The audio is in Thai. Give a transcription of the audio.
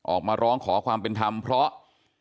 ออกมาร้องขอความเป็นธรรมเพราะ